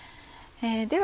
では